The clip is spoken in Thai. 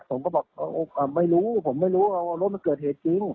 ผมก็บอกไม่รู้ผมไม่รู้ว่ารถมันเกิดเหตุจริง